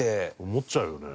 思っちゃうよね。